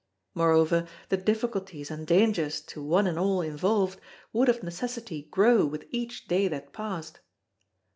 Moreover the difficulties and dangers to one and all involved would of necessity grow with each day that passed.